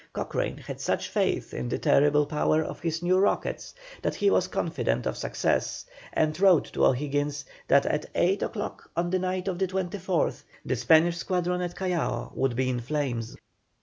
Cochrane had such faith in the terrible power of his new rockets that he was confident of success, and wrote to O'Higgins that at eight o'clock on the night of the 24th, the Spanish squadron at Callao would be in flames.